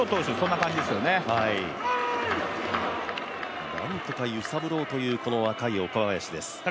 なんとか揺さぶろうという、この若い岡林です。